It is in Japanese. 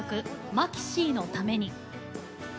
「マキシーのために」。